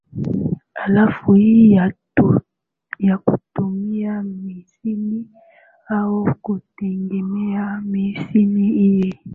halafu hii ya kutumia misitu au kutegemea misitu iwe